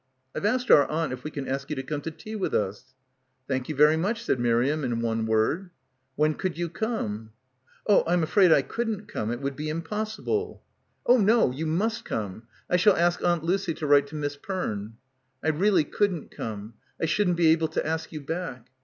"I've asked our aunt if we can ask you to come to tea with us." "Thank you very much," said Miriam in one word. "When could you come?" — 123 — PILGRIMAGE "Oh, I'm afraid I couldn't come. It would be impossible." "Oh no. You must come. I shall ask Aunt Lucy to write to Miss Perne." "I really couldn't come. I shouldn't be able to ask you back."